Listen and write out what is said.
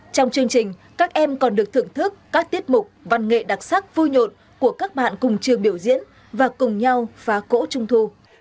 trong chương trình các em còn được thưởng thức các tiết mục văn nghệ đặc sắc vui nhộn của các bạn cùng trường biểu diễn và cùng nhau phá cỗ trung thu